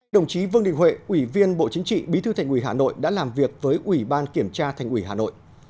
đồng chí vương đình huệ ủy viên bộ chính trị bí thư thành ủy hà nội đã làm việc với ủy ban kiểm tra thành ủy hà nội